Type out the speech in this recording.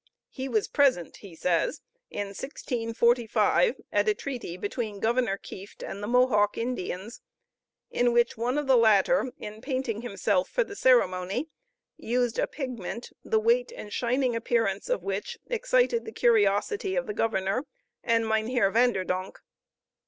He was present, he says, in 1645, at a treaty between Governor Kieft and the Mohawk Indians, in which one of the latter, in painting himself for the ceremony, used a pigment, the weight and shining appearance of which excited the curiosity of the governor and Mynheer Van der Donck.